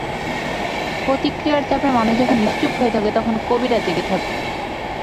প্রতিক্রিয়ার চাপে মানুষ যখন নিশ্চুপ হয়ে থাকে, তখনো কবিরা জেগে থাকেন।